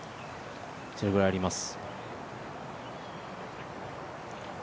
それぐらいあります。